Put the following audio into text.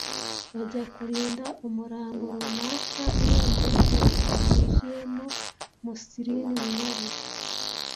(Bajya kurinda umurambo runaka ; ibendera-hejuru ryuzuyemo muslin wirabura.)